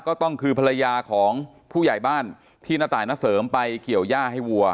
ก็คือภรรยาของผู้ใหญ่บ้านที่ณตายณเสริมไปเกี่ยวย่าให้วัว